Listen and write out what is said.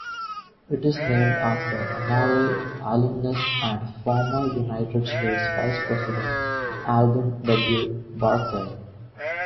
It is named after Emory alumnus and former United States Vice-President Alben W. Barkley.